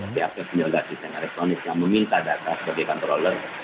pihak pihak penyelenggara sistem elektronik yang meminta data sebagai controller